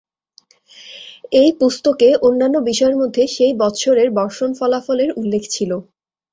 এই পুস্তকে অন্যান্য বিষয়ের মধ্যে সেই বৎসরের বর্ষণ-ফলাফলের উল্লেখ ছিল।